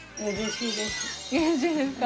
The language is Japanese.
うれしいですか。